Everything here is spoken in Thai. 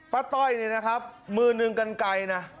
ต้อยเนี่ยนะครับมือหนึ่งกันไกลนะ